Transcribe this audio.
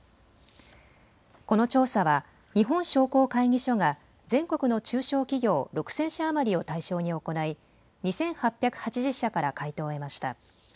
この調査は日本商工会議所が全国の中小企業６０００社余りを対象に行い２８８０社から回答を得ました。